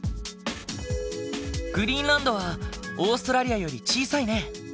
グリーンランドはオーストラリアより小さいね。